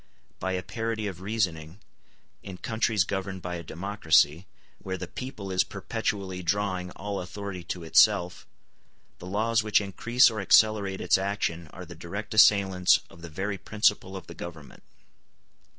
By a parity of reasoning, in countries governed by a democracy, where the people is perpetually drawing all authority to itself, the laws which increase or accelerate its action are the direct assailants of the very principle of the government.